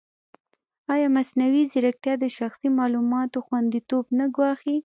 ایا مصنوعي ځیرکتیا د شخصي معلوماتو خوندیتوب نه ګواښي؟